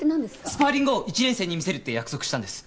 スパーリングを１年生に見せるって約束したんです。